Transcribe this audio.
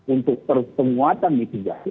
untuk terpenguatan di tiga hari